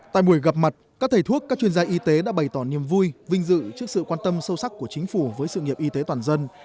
tại buổi gặp mặt các thầy thuốc các chuyên gia y tế đã bày tỏ niềm vui vinh dự trước sự quan tâm sâu sắc của chính phủ với sự nghiệp y tế toàn dân